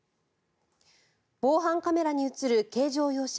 防犯カメラに映る軽乗用車。